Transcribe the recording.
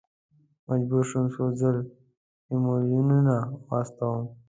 مجبور شوم څو ځل ایمیلونه واستوم.